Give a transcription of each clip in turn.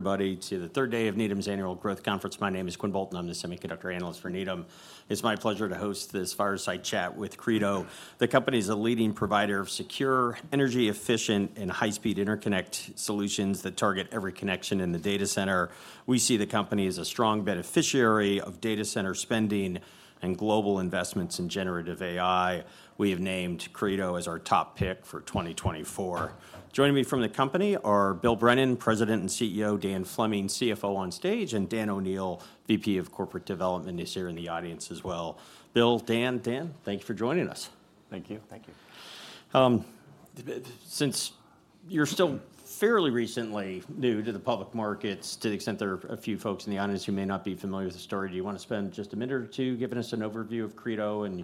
Everybody to the third day of Needham's Annual Growth Conference. My name is Quinn Bolton. I'm the semiconductor analyst for Needham. It's my pleasure to host this fireside chat with Credo. The company's a leading provider of secure, energy-efficient, and high-speed interconnect solutions that target every connection in the data center. We see the company as a strong beneficiary of data center spending and global investments in generative AI. We have named Credo as our top pick for 2024. Joining me from the company are Bill Brennan, President and CEO, Dan Fleming, CFO on stage, and Dan O'Neil, VP of Corporate Development, is here in the audience as well. Bill, Dan, Dan, thank you for joining us. Thank you. Thank you. Since you're still fairly recently new to the public markets, to the extent there are a few folks in the audience who may not be familiar with the story, do you wanna spend just a minute or two giving us an overview of Credo and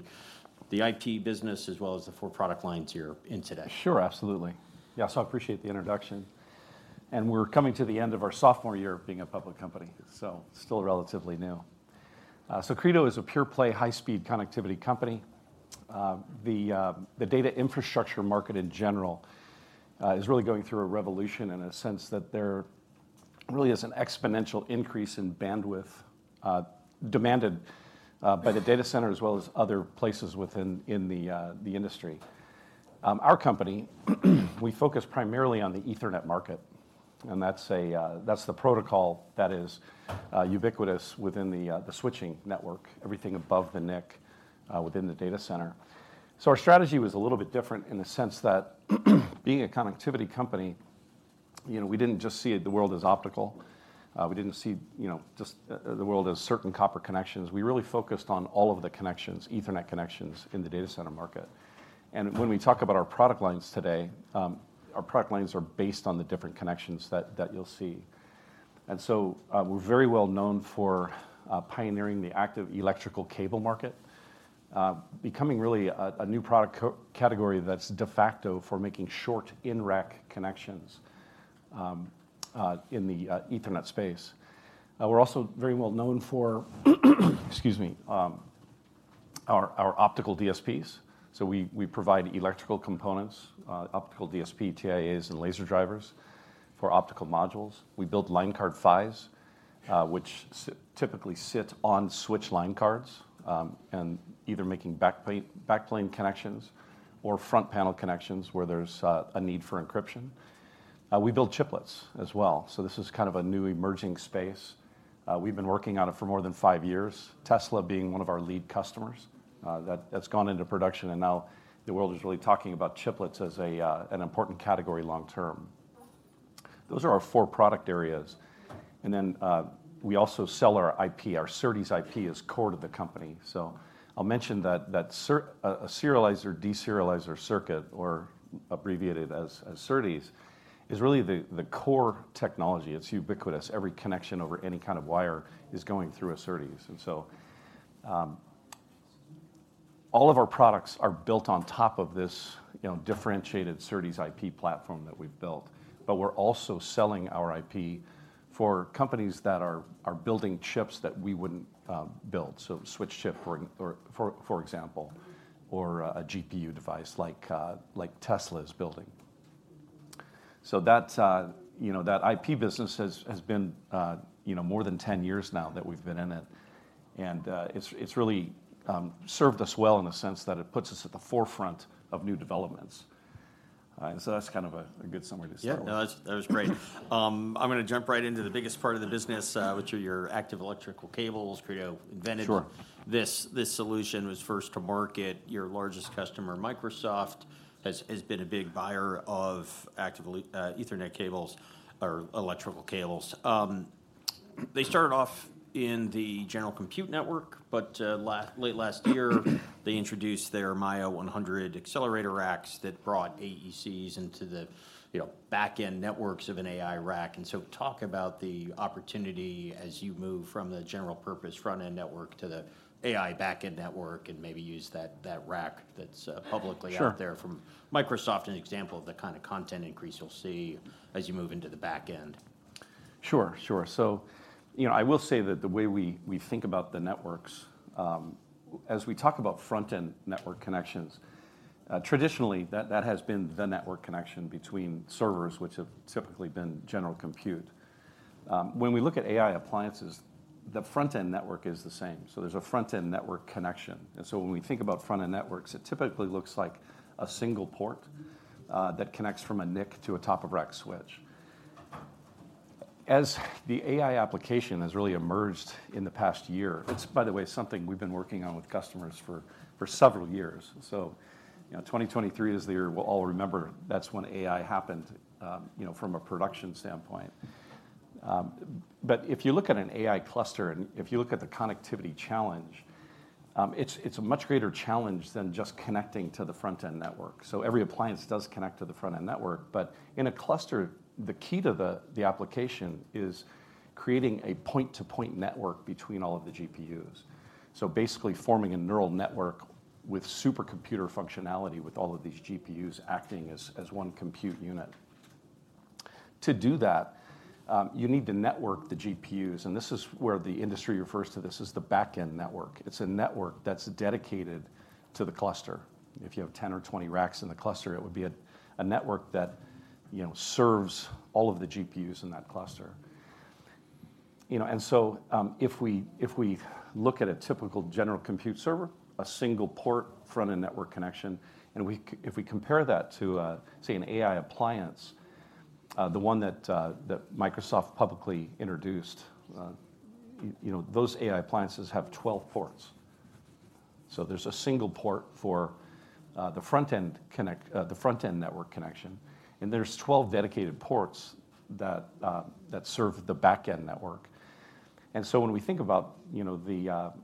the IT business, as well as the four product lines you're in today? Sure, absolutely. Yeah, so I appreciate the introduction, and we're coming to the end of our sophomore year of being a public company, so still relatively new. So Credo is a pure-play, high-speed connectivity company. The data infrastructure market in general is really going through a revolution in a sense that there really is an exponential increase in bandwidth demanded by the data center as well as other places within the industry. Our company, we focus primarily on the Ethernet market, and that's the protocol that is ubiquitous within the switching network, everything above the NIC within the data center. So our strategy was a little bit different in the sense that, being a connectivity company, you know, we didn't just see the world as optical. We didn't see, you know, just, the world as certain copper connections. We really focused on all of the connections, Ethernet connections in the data center market. And when we talk about our product lines today, our product lines are based on the different connections that you'll see. And so, we're very well known for pioneering the active electrical cable market, becoming really a new product category that's de facto for making short in-rack connections, in the Ethernet space. We're also very well known for our Optical DSPs. So we provide electrical components, optical DSP, TIAs, and laser drivers for optical modules. We build line card PHYs, which typically sit on switch line cards, and either making backplane, backplane connections or front panel connections where there's a need for encryption. We build chiplets as well, so this is kind of a new emerging space. We've been working on it for more than five years, Tesla being one of our lead customers. That, that's gone into production, and now the world is really talking about chiplets as a, an important category long term. Those are our four product areas, and then, we also sell our IP. Our SerDes IP is core to the company. So I'll mention that, a serializer/deserializer circuit, or abbreviated as SerDes, is really the core technology. It's ubiquitous. Every connection over any kind of wire is going through a SerDes. And so, all of our products are built on top of this, you know, differentiated SerDes IP platform that we've built. But we're also selling our IP for companies that are building chips that we wouldn't build, so switch chip, for example, or a GPU device like Tesla is building. So that, you know, that IP business has been, you know, more than 10 years now that we've been in it. And, it's really served us well in the sense that it puts us at the forefront of new developments. So that's kind of a good summary to start. Yeah. No, that's, that was great. I'm gonna jump right into the biggest part of the business, which are your active electrical cables Credo invented. Sure. This solution was first to market. Your largest customer, Microsoft, has been a big buyer of active electrical Ethernet cables or electrical cables. They started off in the general compute network, but late last year, they introduced their Maia 100 accelerator racks that brought AECs into the, you know, back-end networks of an AI rack. And so talk about the opportunity as you move from the general purpose front-end network to the AI back-end network, and maybe use that rack that's publicly- Sure... out there from Microsoft, an example of the kind of content increase you'll see as you move into the back end. Sure, sure. So, you know, I will say that the way we think about the networks, as we talk about front-end network connections, traditionally, that has been the network connection between servers, which have typically been general compute. When we look at AI appliances, the front-end network is the same, so there's a front-end network connection. And so when we think about front-end networks, it typically looks like a single port, that connects from a NIC to a top-of-rack switch. As the AI application has really emerged in the past year... It's, by the way, something we've been working on with customers for several years. So, you know, 2023 is the year we'll all remember. That's when AI happened, you know, from a production standpoint. But if you look at an AI cluster, and if you look at the connectivity challenge, it's a much greater challenge than just connecting to the front-end network. So every appliance does connect to the front-end network, but in a cluster, the key to the application is creating a point-to-point network between all of the GPUs. So basically, forming a neural network with supercomputer functionality, with all of these GPUs acting as one compute unit. To do that, you need to network the GPUs, and this is where the industry refers to this as the back-end network. It's a network that's dedicated to the cluster. If you have 10 or 20 racks in the cluster, it would be a network that, you know, serves all of the GPUs in that cluster. You know, and so, if we, if we look at a typical general compute server, a single port front-end network connection, and if we compare that to, say, an AI appliance, the one that Microsoft publicly introduced, you know, those AI appliances have 12 ports. So there's a single port for the front-end network connection, and there's 12 dedicated ports that serve the back-end network. And so when we think about, you know,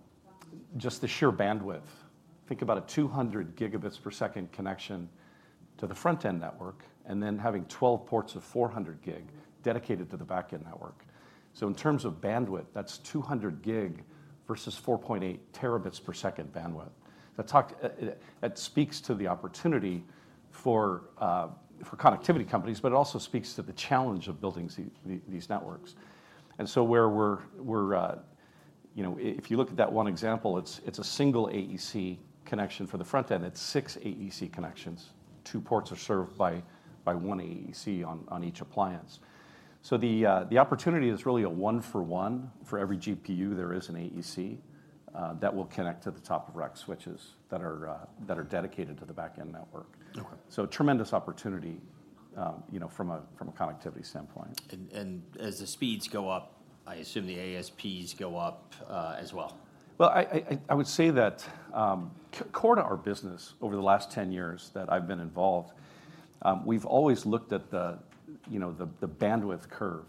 just the sheer bandwidth, think about a 200 Gbps connection to the front-end network, and then having 12 ports of 400 Gbps dedicated to the back-end network. So in terms of bandwidth, that's 200 Gbps versus 4.8 Tbps bandwidth. That talk that speaks to the opportunity for connectivity companies, but it also speaks to the challenge of building these networks. So where we're... You know, if you look at that one example, it's a single AEC connection for the front-end. It's six AEC connections. Two ports are served by one AEC on each appliance. So the opportunity is really a one for one. For every GPU, there is an AEC that will connect to the top-of-rack switches that are dedicated to the back-end network. Okay. Tremendous opportunity, you know, from a connectivity standpoint. As the speeds go up, I assume the ASPs go up as well. Well, I would say that core to our business over the last 10 years that I've been involved, we've always looked at the, you know, the bandwidth curve,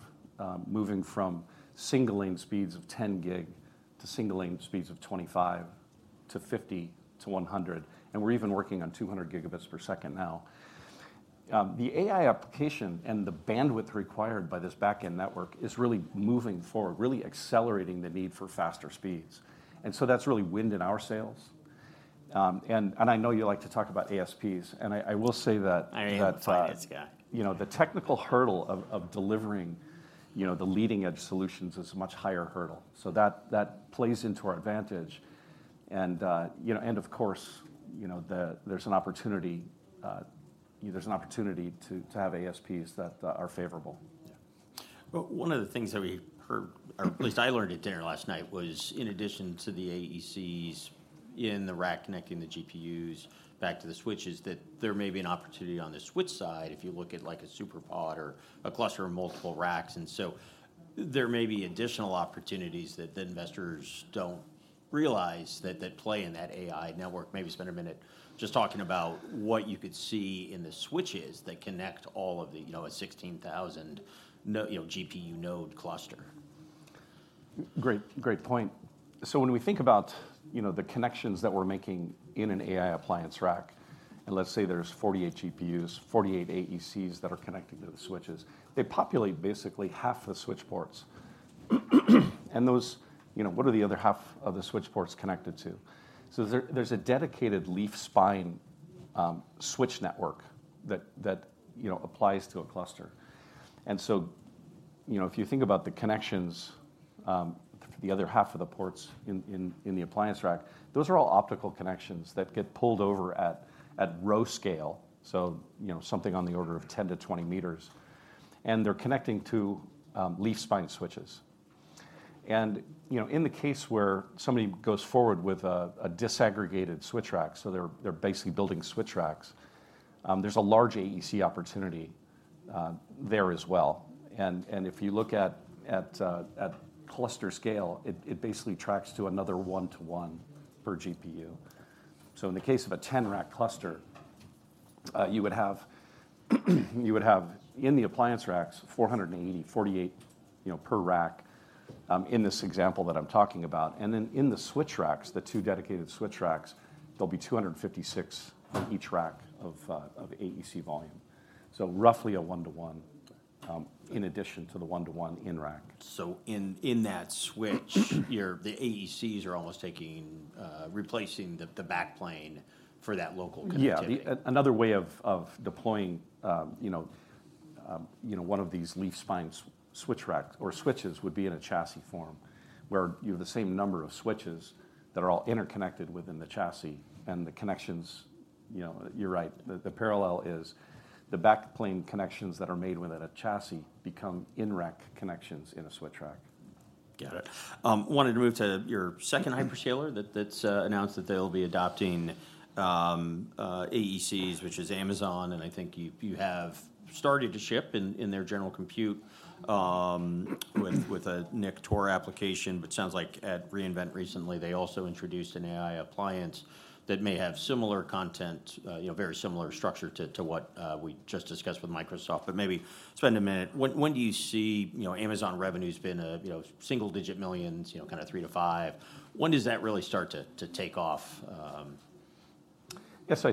moving from single-lane speeds of 10 Gbps to single-lane speeds of 25, to 50, to 100, and we're even working on 200 Gbps now. The AI application and the bandwidth required by this back-end network is really moving forward, really accelerating the need for faster speeds, and so that's really wind in our sails. And I know you like to talk about ASPs, and I will say that- I am. Yeah.... you know, the technical hurdle of delivering, you know, the leading-edge solutions is a much higher hurdle. So that plays into our advantage. And, you know, and of course, you know, there's an opportunity to have ASPs that are favorable. Yeah. Well, one of the things that we heard, or at least I learned at dinner last night, was in addition to the AECs in the rack connecting the GPUs back to the switches, that there may be an opportunity on the switch side if you look at, like, a super pod or a cluster of multiple racks. And so there may be additional opportunities that the investors don't realize that, that play in that AI network. Maybe spend a minute just talking about what you could see in the switches that connect all of the, you know, a 16,000 you know, GPU node cluster. Great, great point. So when we think about, you know, the connections that we're making in an AI appliance rack, and let's say there's 48 GPUs, 48 AECs that are connecting to the switches, they populate basically half the switch ports. And those... You know, what are the other half of the switch ports connected to? So there's a dedicated Leaf-spine switch network that you know, applies to a cluster. And so, you know, if you think about the connections, the other half of the ports in the appliance rack, those are all optical connections that get pulled over at row scale, so, you know, something on the order of 10-20 m, and they're connecting to Leaf-spine switches. You know, in the case where somebody goes forward with a disaggregated switch rack, so they're basically building switch racks, there's a large AEC opportunity there as well. And if you look at cluster scale, it basically tracks to another 1-to-1 per GPU. So in the case of a 10-rack cluster, you would have, in the appliance racks, 480, 48 per rack in this example that I'm talking about. And then in the switch racks, the two dedicated switch racks, there'll be 256 on each rack of AEC volume. So roughly a 1-to-1 in addition to the 1-to-1 in rack. So in that switch, the AECs are almost taking... replacing the backplane for that local connectivity. Yeah. Another way of deploying, you know, you know, one of these leaf-spine switch racks or switches would be in a chassis form, where you have the same number of switches that are all interconnected within the chassis, and the connections, you know, you're right. The parallel is the backplane connections that are made within a chassis become in-rack connections in a switch rack. Got it. Wanted to move to your second hyperscaler that's announced that they'll be adopting AECs, which is Amazon, and I think you have started to ship in their general compute with a NIC-ToR application. But sounds like at re:Invent recently, they also introduced an AI appliance that may have similar content, you know, very similar structure to what we just discussed with Microsoft. But maybe spend a minute. When do you see... You know, Amazon revenue's been, you know, single-digit millions, you know, kind of $3 million-$5 million. When does that really start to take off? Yes.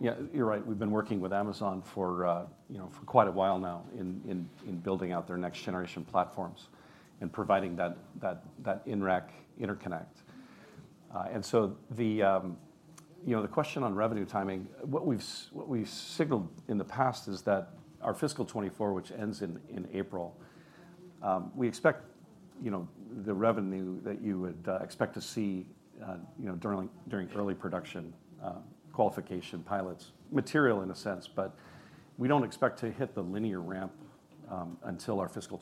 Yeah, you're right. We've been working with Amazon for, you know, for quite a while now in building out their next-generation platforms and providing that in-rack interconnect. And so the question on revenue timing, what we've signaled in the past is that our fiscal 2024, which ends in April, we expect you know, the revenue that you would expect to see, you know, during early production, qualification pilots. Material in a sense, but we don't expect to hit the linear ramp until our fiscal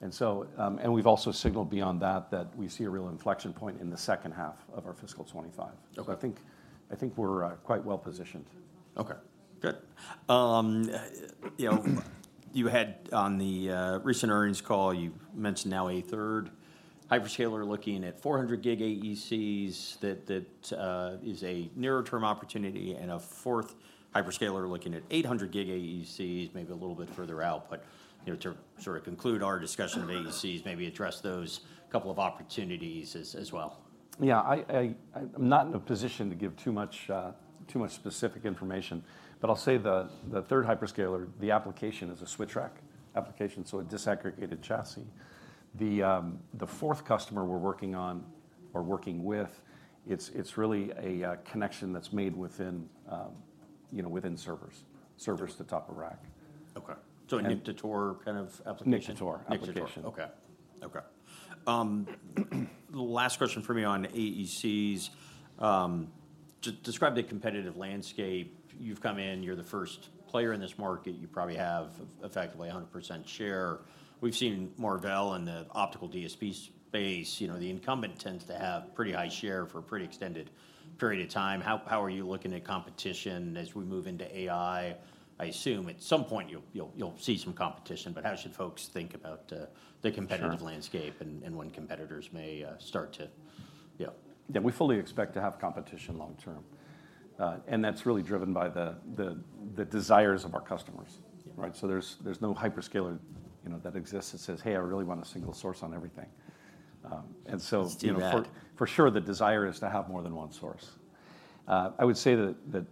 2025. We've also signaled beyond that, that we see a real inflection point in the H2 of our fiscal 2025. Okay. I think we're quite well positioned. Okay, good. You know, you had on the recent earnings call, you mentioned now a third hyperscaler looking at 400G AECs, that, that is a nearer term opportunity, and a fourth hyperscaler looking at 800G AECs, maybe a little bit further out. But, you know, to sort of conclude our discussion of AECs, maybe address those couple of opportunities as, as well. Yeah. I'm not in a position to give too much specific information, but I'll say the third hyperscaler, the application is a switch rack application, so a disaggregated chassis. The fourth customer we're working on or working with, it's really a connection that's made within, you know, within servers. Servers to top-of-rack. Okay. And- A NIC-to-ToR kind of application? NIC-to-ToR application. NIC-to-ToR. Okay. Okay. The last question for me on AECs, describe the competitive landscape. You've come in, you're the first player in this market. You probably have effectively a 100% share. We've seen Marvell in the optical DSP space, you know, the incumbent tends to have pretty high share for a pretty extended period of time. How are you looking at competition as we move into AI? I assume at some point, you'll see some competition, but how should folks think about the competitive- Sure... landscape and, and when competitors may start to... Yeah. Yeah, we fully expect to have competition long term. And that's really driven by the desires of our customers. Yeah. Right? So there's no hyperscaler, you know, that exists that says, "Hey, I really want a single source on everything." And so- Let's do that.... you know, for sure, the desire is to have more than one source. I would say that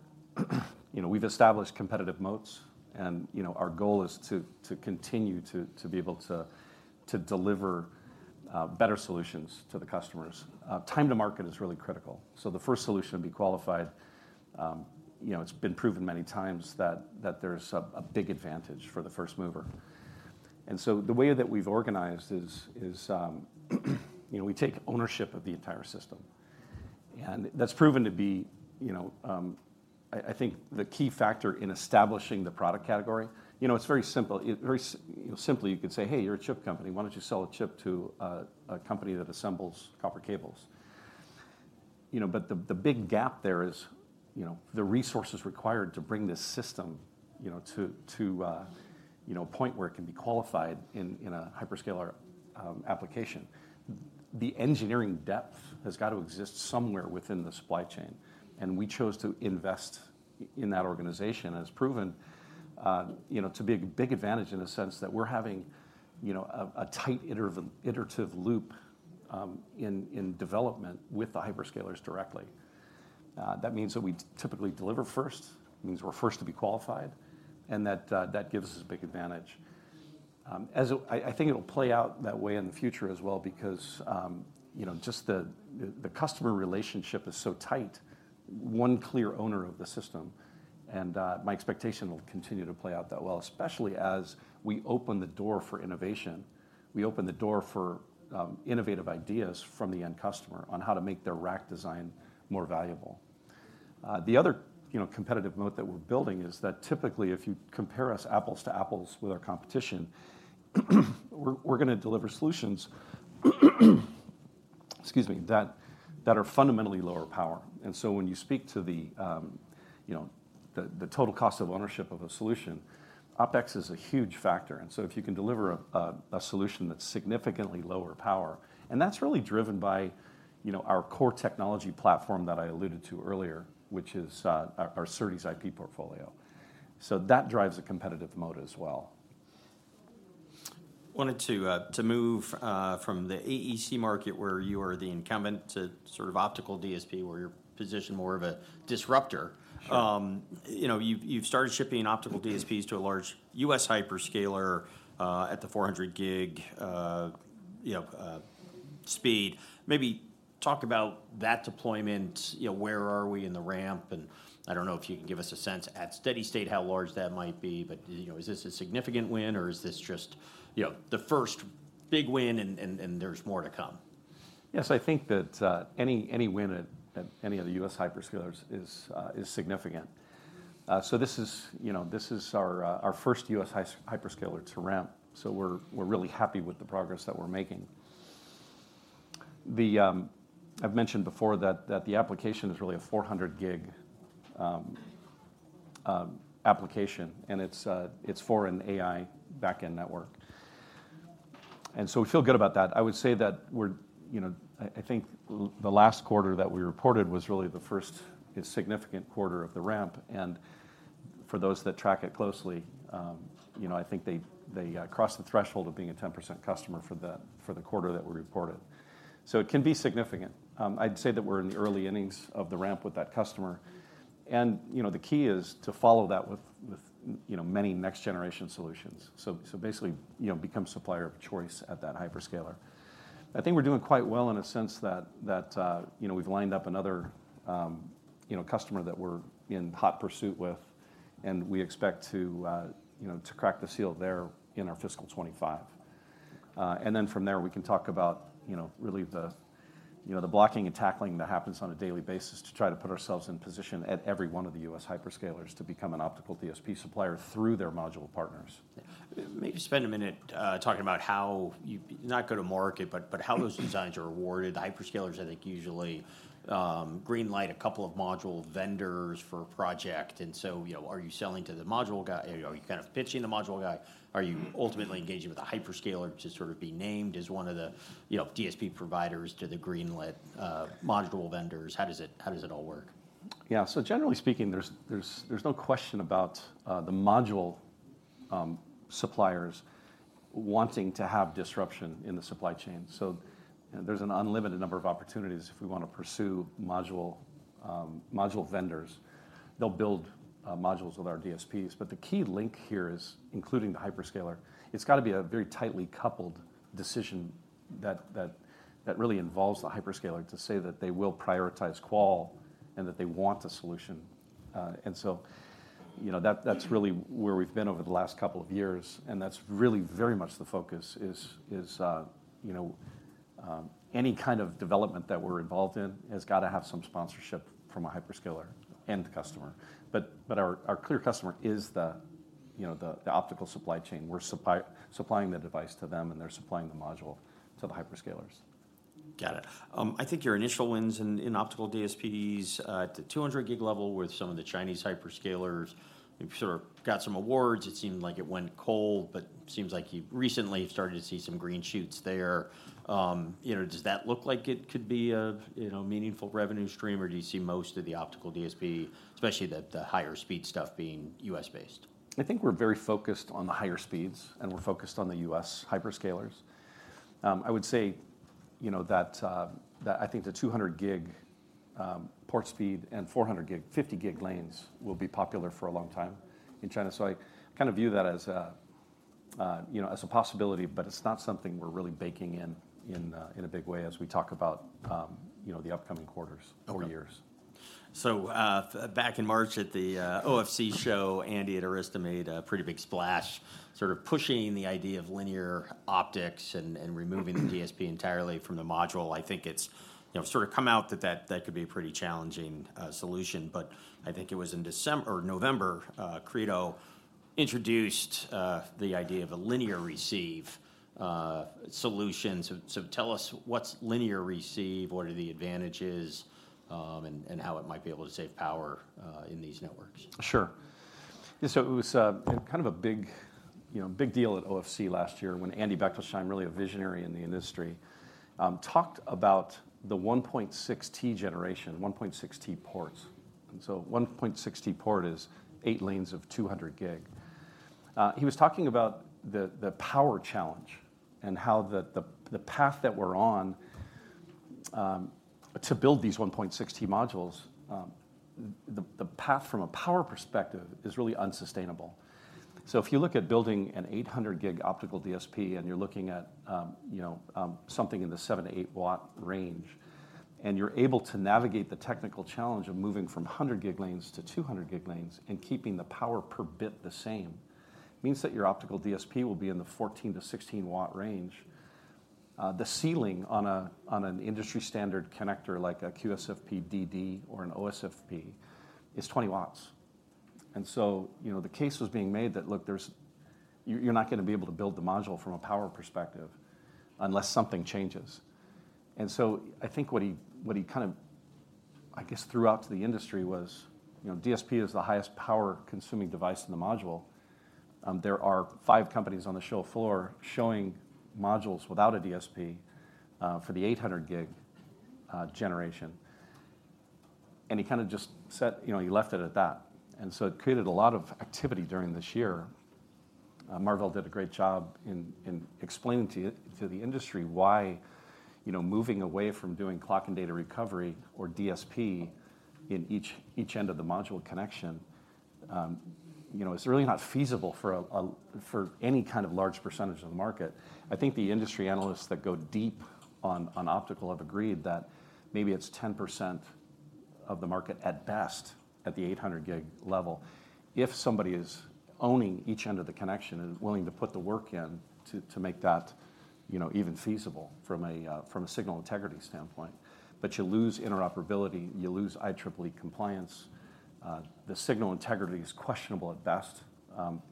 you know, we've established competitive moats, and, you know, our goal is to continue to be able to deliver better solutions to the customers. Time to market is really critical. So the first solution to be qualified, you know, it's been proven many times that there's a big advantage for the first mover. And so the way that we've organized is, you know, we take ownership of the entire system. And that's proven to be, you know, I think the key factor in establishing the product category. You know, it's very simple. Very simply, you could say, "Hey, you're a chip company. Why don't you sell a chip to a company that assembles copper cables?" You know, but the big gap there is, you know, the resources required to bring this system, you know, to a point where it can be qualified in a hyperscaler application. The engineering depth has got to exist somewhere within the supply chain, and we chose to invest in that organization. It's proven, you know, to be a big advantage in the sense that we're having, you know, a tight iterative loop in development with the hyperscalers directly. That means that we typically deliver first, it means we're first to be qualified, and that that gives us a big advantage. As it... I think it'll play out that way in the future as well because, you know, just the customer relationship is so tight, one clear owner of the system. And my expectation will continue to play out that well, especially as we open the door for innovation. We open the door for innovative ideas from the end customer on how to make their rack design more valuable. The other, you know, competitive moat that we're building is that typically, if you compare us apples to apples with our competition, we're gonna deliver solutions, excuse me, that are fundamentally lower power. And so when you speak to the, you know, the total cost of ownership of a solution, OpEx is a huge factor. And so if you can deliver a solution that's significantly lower power, and that's really driven by, you know, our core technology platform that I alluded to earlier, which is our SerDes IP portfolio. So that drives a competitive moat as well. Wanted to, to move from the AEC market, where you are the incumbent, to sort of optical DSP, where you're positioned more of a disruptor. Sure. You know, you've, you've started shipping Optical DSPs to a large U.S. hyperscaler at the 400G speed. Maybe talk about that deployment, you know, where are we in the ramp? And I don't know if you can give us a sense, at steady state, how large that might be, but, you know, is this a significant win, or is this just, you know, the first big win and there's more to come? Yes, I think that any win at any of the U.S. hyperscalers is significant. So this is, you know, this is our first U.S. hyperscaler to ramp, so we're really happy with the progress that we're making. I've mentioned before that the application is really a 400G application, and it's for an AI back-end network. So we feel good about that. I would say that we're, you know, I think the last quarter that we reported was really the first significant quarter of the ramp, and for those that track it closely, you know, I think they crossed the threshold of being a 10% customer for the quarter that we reported. So it can be significant. I'd say that we're in the early innings of the ramp with that customer, and, you know, the key is to follow that with, you know, many next-generation solutions. So basically, you know, become supplier of choice at that hyperscaler. I think we're doing quite well in a sense that, you know, we've lined up another, you know, customer that we're in hot pursuit with, and we expect to, you know, to crack the seal there in our fiscal 2025. And then from there, we can talk about, you know, really the, you know, the blocking and tackling that happens on a daily basis to try to put ourselves in position at every one of the U.S. hyperscalers to become an Optical DSP supplier through their module partners. Maybe spend a minute, talking about how you—not go to market, but, but how those designs are awarded. Hyperscalers, I think, usually, green-light a couple of module vendors for a project, and so, you know, are you selling to the module guy? Are you kind of pitching the module guy? Are you ultimately engaging with a hyperscaler to sort of be named as one of the, you know, DSP providers to the greenlit, module vendors? How does it, how does it all work? Yeah. So generally speaking, there's no question about the module suppliers wanting to have disruption in the supply chain. So, you know, there's an unlimited number of opportunities if we wanna pursue module module vendors. They'll build modules with our DSPs. But the key link here is, including the hyperscaler, it's gotta be a very tightly coupled decision that really involves the hyperscaler to say that they will prioritize Qual and that they want a solution. And so, you know, that's really where we've been over the last couple of years, and that's really very much the focus is you know, any kind of development that we're involved in has gotta have some sponsorship from a hyperscaler and the customer. But our clear customer is the, you know, the optical supply chain. We're supplying the device to them, and they're supplying the module to the hyperscalers. Got it. I think your initial wins in optical DSPs at the 200G level with some of the Chinese hyperscalers, you sort of got some awards. It seemed like it went cold, but seems like you've recently started to see some green shoots there. You know, does that look like it could be a, you know, meaningful revenue stream, or do you see most of the optical DSP, especially the higher speed stuff, being U.S.-based? I think we're very focused on the higher speeds, and we're focused on the U.S. hyperscalers. I would say, you know, that, that I think the 200G port speed and 400G, 50G lanes will be popular for a long time in China. So I kinda view that as a, you know, as a possibility, but it's not something we're really baking in in a big way as we talk about, you know, the upcoming quarters. Okay... or years. So, back in March at the OFC show, Andy at Arista made a pretty big splash, sort of pushing the idea of linear optics and removing the DSP entirely from the module. I think it's, you know, sort of come out that that could be a pretty challenging solution. But I think it was in December or November, Credo introduced the idea of a linear receive solution. So tell us what's linear receive, what are the advantages, and how it might be able to save power in these networks? Sure. Yeah, so it was kind of a big, you know, big deal at OFC last year when Andy Bechtolsheim, really a visionary in the industry, talked about the 1.6T generation, 1.6T ports. And so, 1.6T port is 8 lanes of 200G. He was talking about the power challenge and how the path that we're on to build these 1.6T modules, the path from a power perspective is really unsustainable. So if you look at building an 800G optical DSP, and you're looking at, you know, something in the 7-8 W range, and you're able to navigate the technical challenge of moving from 100G lanes to 200G lanes and keeping the power per bit the same, means that your optical DSP will be in the 14-16 W range. The ceiling on an industry-standard connector, like a QSFP-DD or an OSFP, is 20 W. And so, you know, the case was being made that, look, there's... You're not gonna be able to build the module from a power perspective unless something changes. And so I think what he kind of, I guess, threw out to the industry was, you know, DSP is the highest power-consuming device in the module. There are five companies on the show floor showing modules without a DSP for the 800G generation. And he kinda just said, you know, he left it at that. So it created a lot of activity during this year. Marvell did a great job in explaining to the industry why, you know, moving away from doing clock and data recovery or DSP in each end of the module connection, you know, is really not feasible for a for any kind of large percentage of the market. I think the industry analysts that go deep on optical have agreed that maybe it's 10% of the market, at best, at the 800G level, if somebody is owning each end of the connection and is willing to put the work in to make that, you know, even feasible from a signal integrity standpoint. But you lose interoperability, you lose IEEE compliance, the signal integrity is questionable at best, and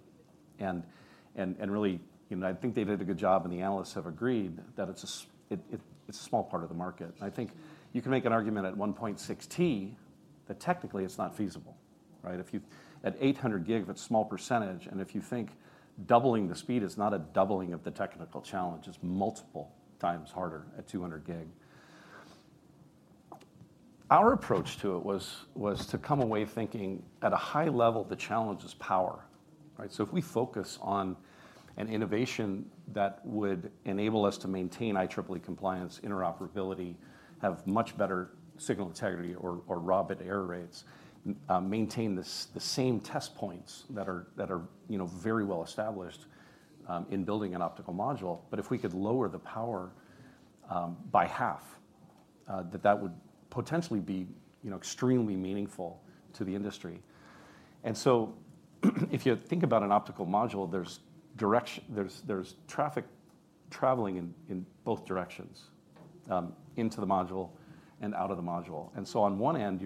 really, you know, I think they did a good job, and the analysts have agreed that it's a small part of the market. And I think you can make an argument at 1.6T, but technically, it's not feasible, right? If you... At 800G, that's a small percentage, and if you think doubling the speed is not a doubling of the technical challenge, it's multiple times harder at 200G Our approach to it was to come away thinking at a high level, the challenge is power, right? So if we focus on an innovation that would enable us to maintain IEEE compliance, interoperability, have much better signal integrity or raw bit error rates, maintain the same test points that are, you know, very well established in building an optical module, but if we could lower the power by half, that would potentially be, you know, extremely meaningful to the industry. If you think about an optical module, there's direction. There's traffic traveling in both directions into the module and out of the module. On one end,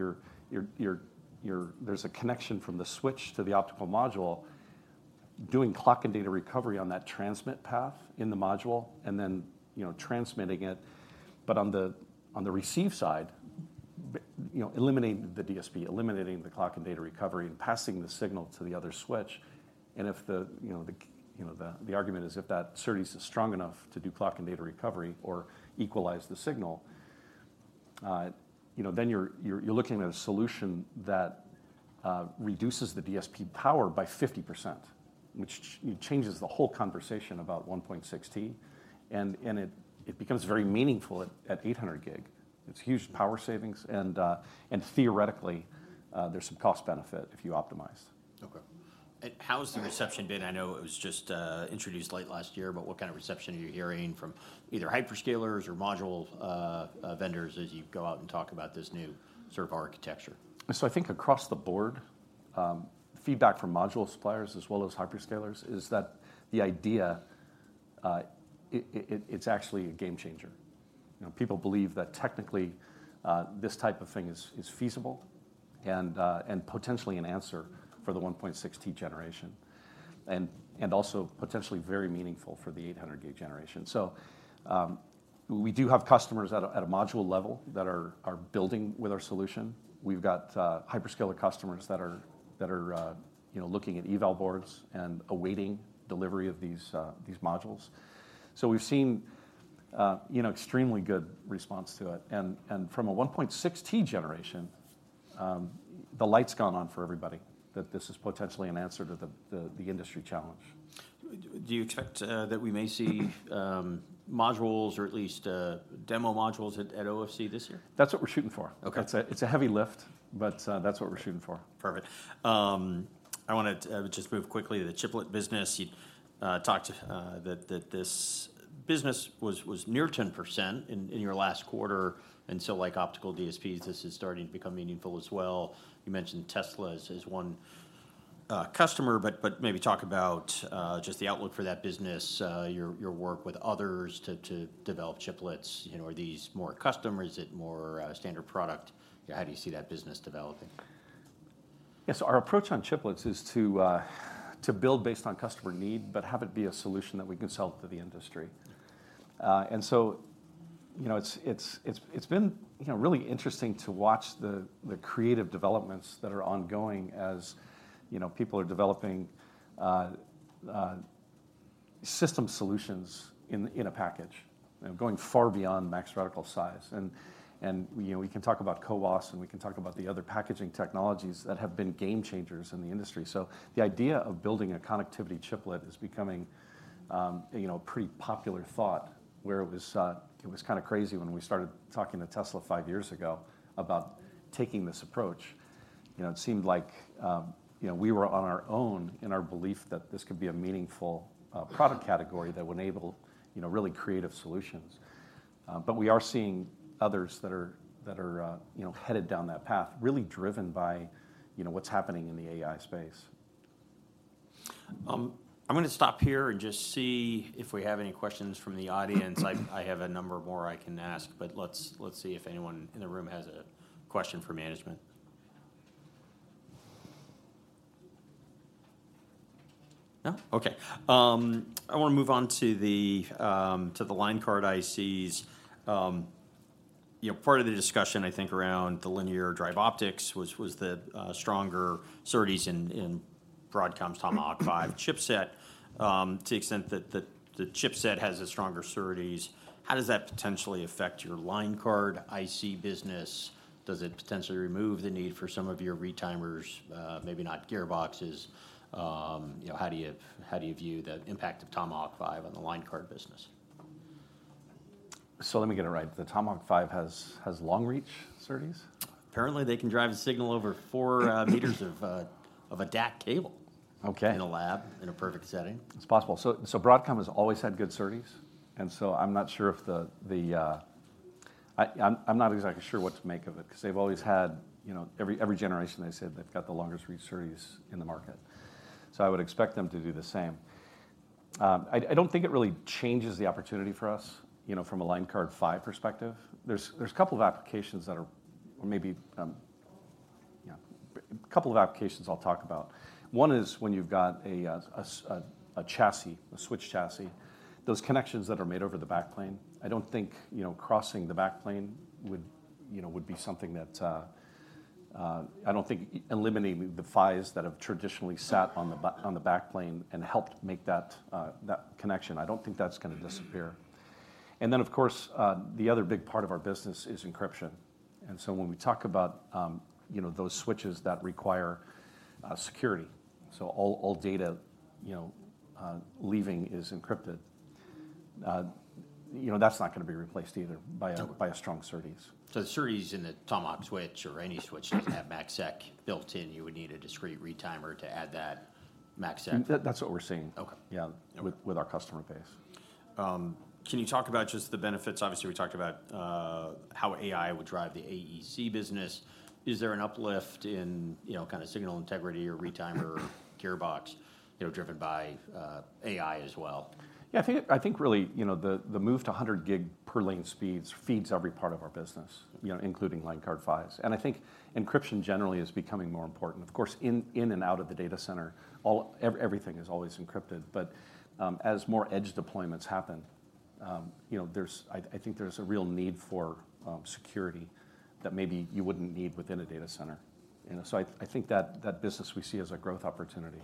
there's a connection from the switch to the optical module, doing clock and data recovery on that transmit path in the module, and then, you know, transmitting it. But on the receive side, you know, eliminating the DSP, eliminating the clock and data recovery, and passing the signal to the other switch. And if you know the argument is, if that SerDes is strong enough to do clock and data recovery or equalize the signal, you know, then you're looking at a solution that reduces the DSP power by 50%, which changes the whole conversation about 1.6T. And it becomes very meaningful at 800G. It's huge power savings, and theoretically, there's some cost benefit if you optimize. Okay. How has the reception been? I know it was just introduced late last year, but what kind of reception are you hearing from either hyperscalers or module vendors as you go out and talk about this new sort of architecture? So I think across the board, feedback from module suppliers as well as hyperscalers, is that the idea—it's actually a game changer. You know, people believe that technically, this type of thing is feasible, and potentially an answer for the 1.6T generation. And also potentially very meaningful for the 800G generation. So, we do have customers at a module level that are building with our solution. We've got hyperscaler customers that are, you know, looking at eval boards and awaiting delivery of these modules. So we've seen, you know, extremely good response to it. And from a 1.6T generation, the light's gone on for everybody, that this is potentially an answer to the industry challenge. Do you expect that we may see modules or at least demo modules at OFC this year? That's what we're shooting for. Okay. It's a heavy lift, but that's what we're shooting for. Perfect. I wanna just move quickly to the chiplet business. You talked that this business was near 10% in your last quarter, and so, like Optical DSPs, this is starting to become meaningful as well. You mentioned Tesla as one customer, but maybe talk about just the outlook for that business, your work with others to develop chiplets. You know, are these more custom, or is it more standard product? How do you see that business developing? Yeah, so our approach on chiplets is to build based on customer need, but have it be a solution that we can sell to the industry. And so, you know, it's been, you know, really interesting to watch the creative developments that are ongoing as, you know, people are developing system solutions in a package, going far beyond maximum reticle size. And, you know, we can talk about CoWoS, and we can talk about the other packaging technologies that have been game changers in the industry. So the idea of building a connectivity chiplet is becoming, you know, a pretty popular thought, where it was. It was kinda crazy when we started talking to Tesla five years ago about taking this approach. You know, it seemed like, you know, we were on our own in our belief that this could be a meaningful product category that would enable, you know, really creative solutions. But we are seeing others that are, that are, you know, headed down that path, really driven by, you know, what's happening in the AI space. I'm gonna stop here and just see if we have any questions from the audience. I have a number more I can ask, but let's see if anyone in the room has a question for management. No? Okay. I wanna move on to the line card ICs. You know, part of the discussion, I think, around the linear optics was the stronger SerDes in Broadcom's Tomahawk 5 chipset. To the extent that the chipset has a stronger SerDes, how does that potentially affect your line card IC business? Does it potentially remove the need for some of your retimers, maybe not gearboxes? You know, how do you view the impact of Tomahawk 5 on the line card business? Let me get it right. The Tomahawk 5 has long reach SerDes? Apparently, they can drive a signal over 4 m of AEC cable. Okay... in a lab, in a perfect setting. It's possible. So, Broadcom has always had good SerDes, and so I'm not sure if the, the... I'm not exactly sure what to make of it, 'cause they've always had, you know, every generation, they said they've got the longest reach SerDes in the market. So I would expect them to do the same. I don't think it really changes the opportunity for us, you know, from a Line Card 5 perspective. There's a couple of applications that are, or maybe, yeah, a couple of applications I'll talk about. One is when you've got a chassis, a switch chassis, those connections that are made over the backplane. I don't think, you know, crossing the backplane would, you know, would be something that I don't think eliminating the PHYs that have traditionally sat on the backplane and helped make that connection, I don't think that's gonna disappear. And then, of course, the other big part of our business is encryption. And so when we talk about, you know, those switches that require security, so all data, you know, leaving is encrypted, you know, that's not gonna be replaced either by a- Okay... by a strong SerDes. So the SerDes in the Tomahawk switch or any switch doesn't have MACsec built in, you would need a discrete retimer to add that MACsec? That, that's what we're seeing. Okay. Yeah. Okay. With our customer base.... Can you talk about just the benefits? Obviously, we talked about how AI would drive the AEC business. Is there an uplift in, you know, kind of signal integrity or retimer or gearbox, you know, driven by AI as well? Yeah, I think, I think really, you know, the move to 100G per lane speeds feeds every part of our business, you know, including line card PHYs. And I think encryption generally is becoming more important. Of course, in and out of the data center, everything is always encrypted, but as more edge deployments happen, you know, there's, I think there's a real need for security that maybe you wouldn't need within a data center. You know? So I think that business we see as a growth opportunity.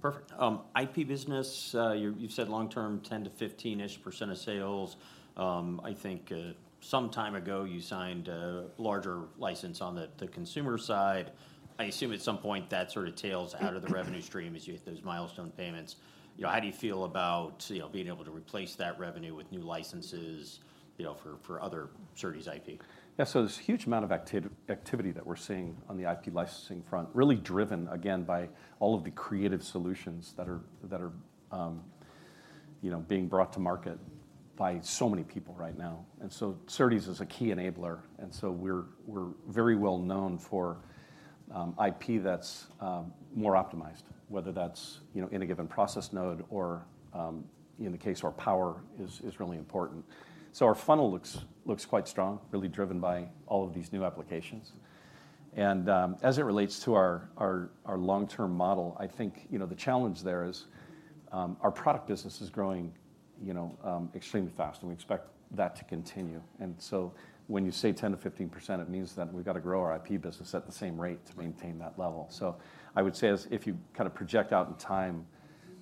Perfect. IP business, you've said long term, 10%-15%-ish of sales. I think some time ago, you signed a larger license on the, the consumer side. I assume at some point, that sort of tails out of the revenue stream as you get those milestone payments. You know, how do you feel about, you know, being able to replace that revenue with new licenses, you know, for, for other SerDes IP? Yeah, so there's a huge amount of activity that we're seeing on the IP licensing front, really driven, again, by all of the creative solutions that are, you know, being brought to market by so many people right now. And so SerDes is a key enabler, and so we're very well known for IP that's more optimized, whether that's, you know, in a given process node or in the case where power is really important. So our funnel looks quite strong, really driven by all of these new applications. And as it relates to our long-term model, I think, you know, the challenge there is our product business is growing, you know, extremely fast, and we expect that to continue. And so when you say 10%-15%, it means that we've got to grow our IP business at the same rate to maintain that level. So I would say as if you kind of project out in time,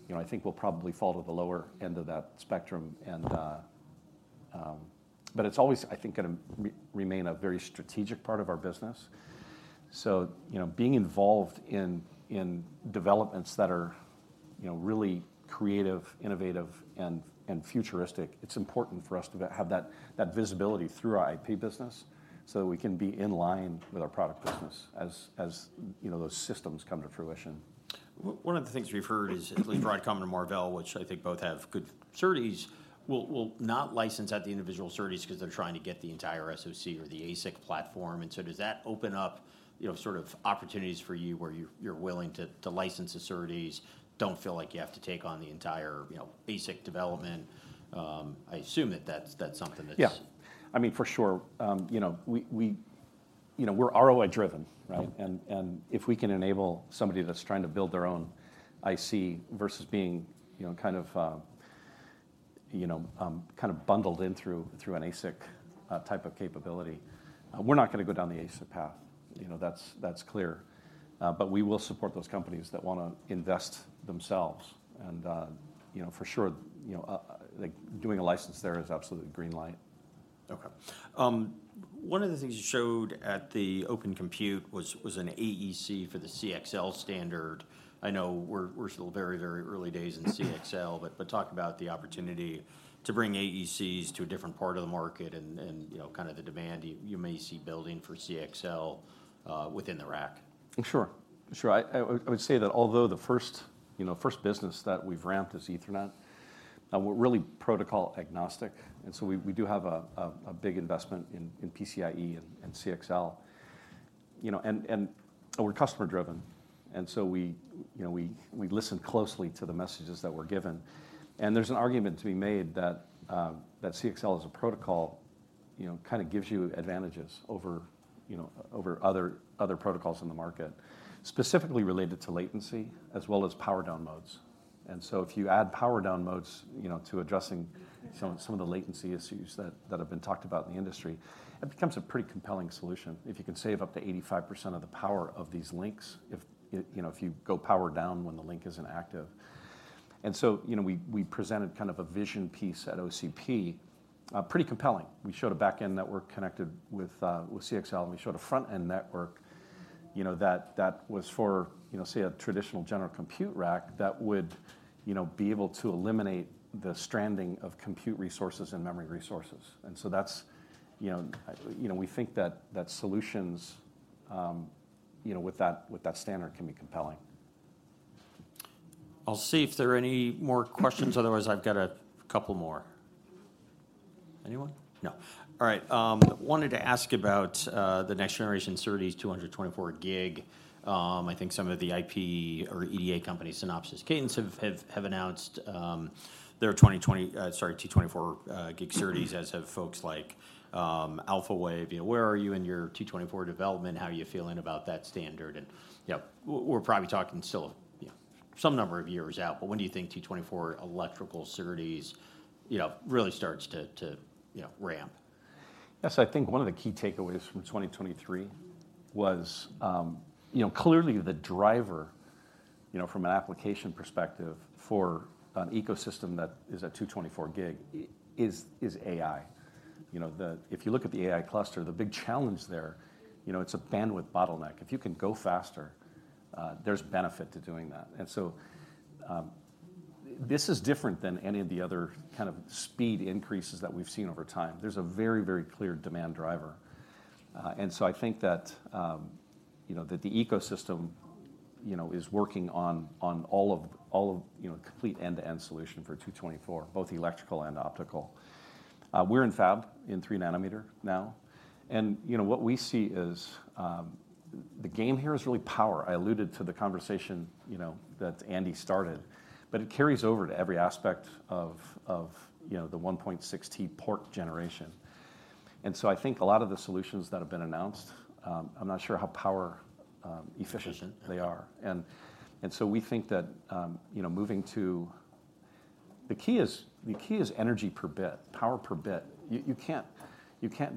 you know, I think we'll probably fall to the lower end of that spectrum, and. But it's always, I think, gonna remain a very strategic part of our business. So, you know, being involved in developments that are, you know, really creative, innovative, and futuristic, it's important for us to have that visibility through our IP business so that we can be in line with our product business as, you know, those systems come to fruition. One of the things we've heard is, Broadcom and Marvell, which I think both have good SerDes, will not license at the individual SerDes because they're trying to get the entire SoC or the ASIC platform. And so does that open up, you know, sort of opportunities for you, where you're willing to license the SerDes, don't feel like you have to take on the entire, you know, basic development? I assume that that's something that's- Yeah. I mean, for sure, you know, we you know, we're ROI driven, right? If we can enable somebody that's trying to build their own IC versus being, you know, kind of bundled in through an ASIC type of capability, we're not gonna go down the ASIC path. You know, that's clear. But we will support those companies that wanna invest themselves. And, you know, for sure, you know, like, doing a license there is absolutely green light. Okay. One of the things you showed at the Open Compute was an AEC for the CXL standard. I know we're still very, very early days in CXL. Mm-hmm. Talk about the opportunity to bring AECs to a different part of the market and, you know, kind of the demand you may see building for CXL within the rack. Sure. Sure. I would say that although the first, you know, first business that we've ramped is Ethernet, we're really protocol agnostic, and so we do have a big investment in PCIe and CXL. You know, and we're customer driven, and so we, you know, we listen closely to the messages that we're given. And there's an argument to be made that CXL as a protocol, you know, kind of gives you advantages over other protocols in the market, specifically related to latency as well as power-down modes. And so if you add power-down modes, you know, to addressing some of the latency issues that have been talked about in the industry, it becomes a pretty compelling solution. If you can save up to 85% of the power of these links, if, you know, if you go power down when the link is inactive. And so, you know, we presented kind of a vision piece at OCP, pretty compelling. We showed a back-end network connected with CXL, and we showed a front-end network, you know, that was for, you know, say, a traditional general compute rack that would, you know, be able to eliminate the stranding of compute resources and memory resources. And so that's, you know, we think that solutions, you know, with that standard can be compelling. I'll see if there are any more questions, otherwise, I've got a couple more. Anyone? No. All right, wanted to ask about the next generation SerDes 224G. I think some of the IP or EDA companies, Synopsys, Cadence, have announced their 2020, sorry, 224G SerDes- Mm-hmm... as have folks like Alphawave. You know, where are you in your 224G development? How are you feeling about that standard? And, you know, we're probably talking still, you know, some number of years out, but when do you think 224G electrical SerDes, you know, really starts to, you know, ramp? Yes, I think one of the key takeaways from 2023 was, you know, clearly the driver, you know, from an application perspective for an ecosystem that is at 224G is AI. You know, the if you look at the AI cluster, the big challenge there, you know, it's a bandwidth bottleneck. If you can go faster, there's benefit to doing that. And so, this is different than any of the other kind of speed increases that we've seen over time. There's a very, very clear demand driver. And so I think that, you know, that the ecosystem you know, is working on all of, all of, you know, a complete end-to-end solution for 224G, both electrical and optical. We're in fab in 3 nm now, and, you know, what we see is, the game here is really power. I alluded to the conversation, you know, that Andy started, but it carries over to every aspect of, you know, the 1.6T port generation. And so I think a lot of the solutions that have been announced, I'm not sure how power efficient- Efficient They are. And so we think that, you know, moving to the key is, the key is energy per bit, power per bit. You can't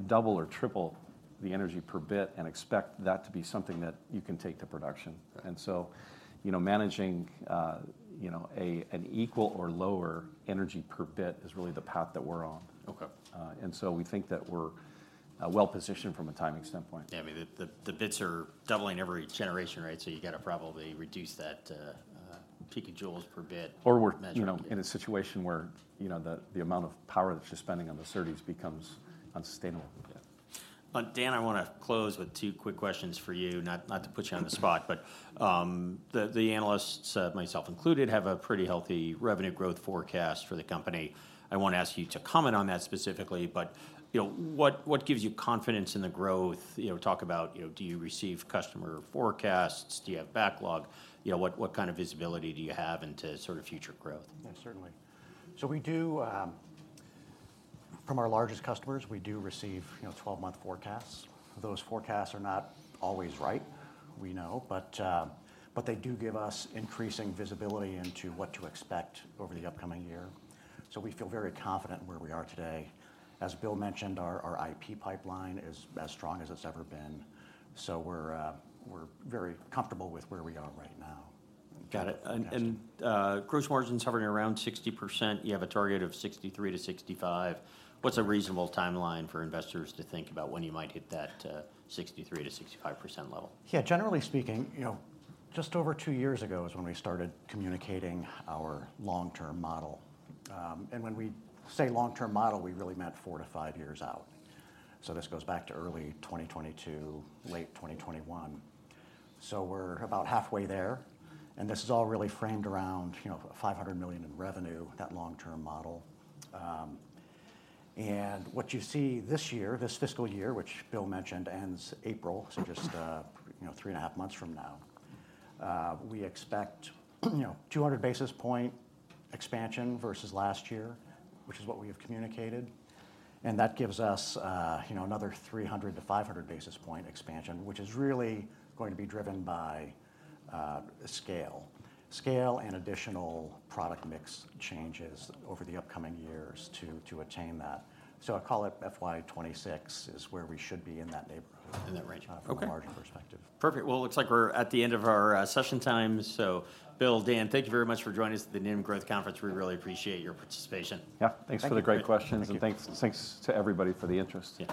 double or triple the energy per bit and expect that to be something that you can take to production. And so, you know, managing, you know, an equal or lower energy per bit is really the path that we're on. Okay. And so we think that we're well positioned from a timing standpoint. Yeah, I mean, the bits are doubling every generation, right? So you've gotta probably reduce that picojoules per bit. Or we're, you know, in a situation where, you know, the amount of power that you're spending on the SerDes becomes unsustainable. Yeah. Dan, I wanna close with two quick questions for you, not, not to put you on the spot. But, the analysts, myself included, have a pretty healthy revenue growth forecast for the company. I won't ask you to comment on that specifically, but, you know, what, what gives you confidence in the growth? You know, talk about, you know, do you receive customer forecasts? Do you have backlog? You know, what, what kind of visibility do you have into sort of future growth? Yeah, certainly. So we do... From our largest customers, we do receive, you know, 12-month forecasts. Those forecasts are not always right, we know, but, but they do give us increasing visibility into what to expect over the upcoming year. So we feel very confident in where we are today. As Bill mentioned, our, our IP pipeline is as strong as it's ever been, so we're, we're very comfortable with where we are right now. Got it. And, gross margins hovering around 60%. You have a target of 63%-65%. What's a reasonable timeline for investors to think about when you might hit that, 63%-65% level? Yeah, generally speaking, you know, just over two years ago is when we started communicating our long-term model. And when we say long-term model, we really meant four to five years out. So this goes back to early 2022, late 2021. So we're about halfway there, and this is all really framed around, you know, $500 million in revenue, that long-term model. And what you see this year, this fiscal year, which Bill mentioned, ends April, so just, you know, three and a half months from now. We expect, you know, 200 basis point expansion versus last year, which is what we have communicated, and that gives us, you know, another 300-500 basis point expansion, which is really going to be driven by scale. Scale and additional product mix changes over the upcoming years to attain that. So I call it FY 2026 is where we should be in that neighborhood in that range, Okay.... from a margin perspective. Perfect. Well, it looks like we're at the end of our session time. So Bill, Dan, thank you very much for joining us at the Needham Growth Conference. We really appreciate your participation. Yeah. Thank you. Thanks for the great questions. Thank you. Thanks, thanks to everybody for the interest. Yeah.